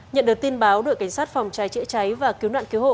nhận được tin báo đội cảnh sát phòng cháy chữa cháy và cứu nạn cứu hộ